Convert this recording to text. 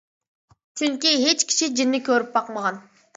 چۈنكى ھېچ كىشى جىننى كۆرۈپ باقمىغان.